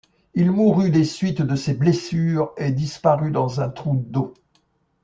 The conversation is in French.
Il mourut des suites de ses blessures et disparu dans un trou d'eau.